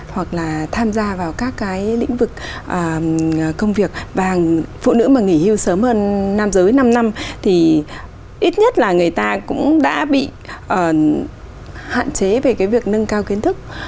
hoặc là tham gia vào các cái lĩnh vực công việc và phụ nữ mà nghỉ hưu sớm hơn nam giới năm năm thì ít nhất là người ta cũng đã bị hạn chế về cái việc nâng cao kiến thức